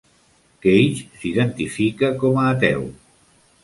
Cage s'identifica com a ateu.